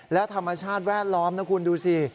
แล้วธรรมชาติแวดล้อมนะคุณดูสิ